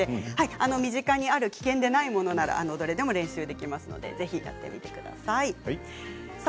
身近にある危険でないものならどれでも練習ができますのでやってみてください。